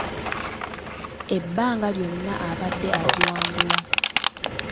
Ebbanga lyonna abadde agiwangula.